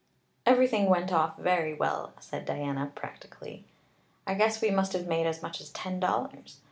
"Everything went off very well," said Diana practically. "I guess we must have made as much as ten dollars.